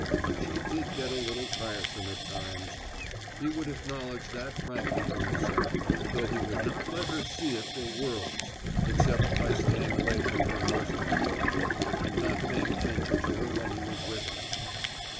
She did get a little tiresome at times. He would acknowledge that frankly to himself, though he would not let her see it for worlds except by staying away from her most of the time, and not paying attention to her when he was with her.